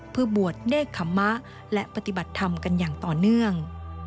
เพื่อบวชเนธขมะและปฏิบัติธรรมกันอย่างต่อเนื่อง